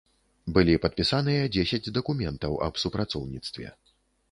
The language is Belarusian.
Былі падпісаныя дзесяць дакументаў аб супрацоўніцтве.